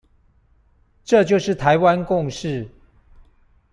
這就是台灣共識